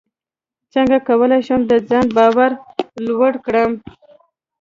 څنګه کولی شم د ځان باور لوړ کړم